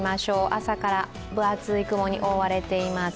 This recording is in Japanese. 朝から分厚い雲に覆われています。